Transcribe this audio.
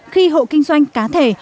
khi hộ kinh doanh cá thể